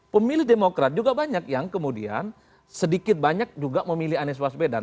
pemilih demokrat juga banyak yang kemudian sedikit banyak juga memilih anies baswedan